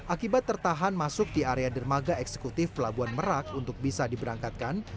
akibat tertahan masuk di area dermaga eksekutif pelabuhan merak untuk bisa diberangkatkan